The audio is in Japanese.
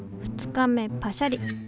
２日目パシャリ。